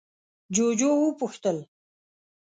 جُوجُو وپوښتل: